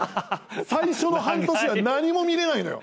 最初の半年は何も見れないのよ。